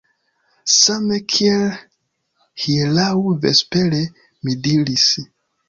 Same kiel hieraŭ vespere, mi diris.